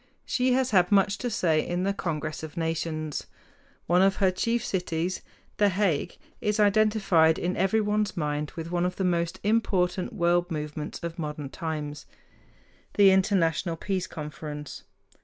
She has had much to say in the Congress of Nations. One of her chief cities, The Hague, is identified in everyone's mind with one of the most important world movements of modern times, the International Peace Conference.